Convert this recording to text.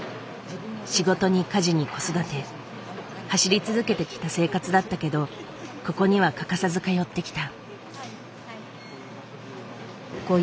仕事に家事に子育て走り続けてきた生活だったけどここには欠かさず通ってきた。